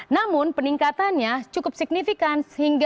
namun peningkatannya cukup signifikan